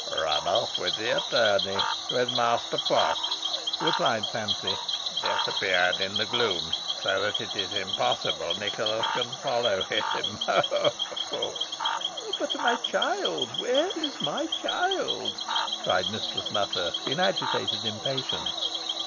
"Run off with the attorney with Master Potts," replied Fancy; "disappeared in the gloom, so that it is impossible Nicholas can follow him ho! ho!" "But my child! where is my child?" cried Mistress Nutter, in agitated impatience.